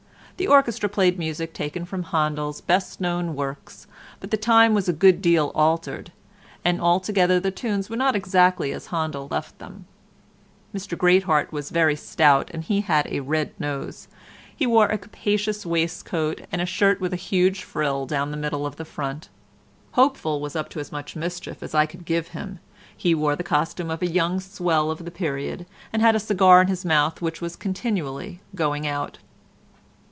The orchestra played music taken from Handel's best known works, but the time was a good deal altered, and altogether the tunes were not exactly as Handel left them. Mr Greatheart was very stout and he had a red nose; he wore a capacious waistcoat, and a shirt with a huge frill down the middle of the front. Hopeful was up to as much mischief as I could give him; he wore the costume of a young swell of the period, and had a cigar in his mouth which was continually going out.